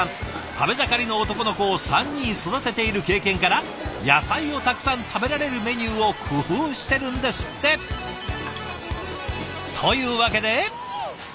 食べ盛りの男の子を３人育てている経験から野菜をたくさん食べられるメニューを工夫してるんですって！というわけで。